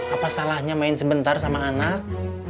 apa salahnya main sebentar sama anak